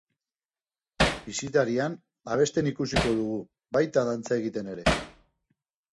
Bisitarian abesten ikusiko dugu, baita dantza egiten ere!